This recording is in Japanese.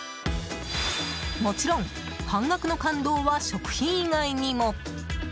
もちろん、半額の感動は食品以外にも。